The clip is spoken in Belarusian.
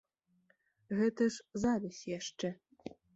Гэта ж завязь яшчэ.